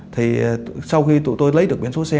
thì sau khi tụi tôi lấy được biển số xe